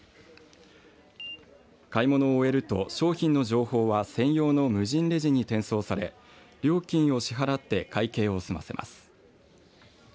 買い物を終えると商品の情報は専用の無人レジに転送され料金を支払って会計を済ませます。